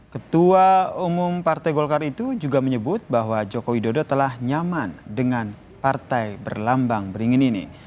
ketua umum partai golkar itu juga menyebut bahwa joko widodo telah nyaman dengan partai berlambang beringin ini